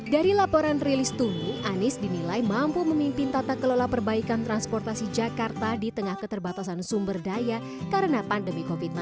dari laporan rilis tumi anies dinilai mampu memimpin tata kelola perbaikan transportasi jakarta di tengah keterbatasan sumber daya karena pandemi covid sembilan belas